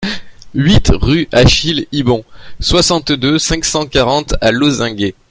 huit rue Achille Hibon, soixante-deux, cinq cent quarante à Lozinghem